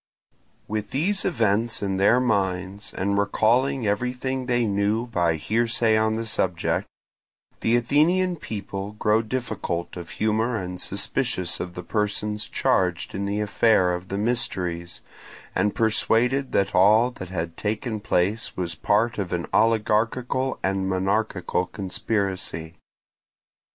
With these events in their minds, and recalling everything they knew by hearsay on the subject, the Athenian people grow difficult of humour and suspicious of the persons charged in the affair of the mysteries, and persuaded that all that had taken place was part of an oligarchical and monarchical conspiracy.